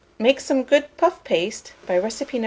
Make some good puff paste, by recipe No.